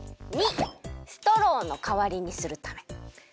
②ストローのかわりにするため。